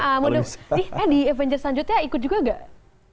iya mudah nih eh di avenger selanjutnya ikut juga nggak